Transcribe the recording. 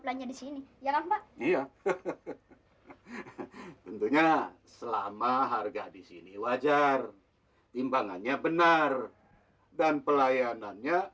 belanja di sini ya kan tentunya selama harga di sini wajar timbangannya benar dan pelayanannya